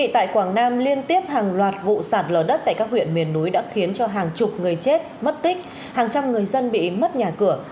tại quảng nam liên tiếp hàng loạt vụ sạt lở đất tại các huyện miền núi đã khiến cho hàng chục người chết mất tích hàng trăm người dân bị mất nhà cửa